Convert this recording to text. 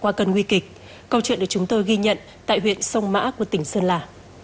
qua cơn nguy kịch câu chuyện được chúng tôi ghi nhận tại huyện sông mã của tỉnh sơn la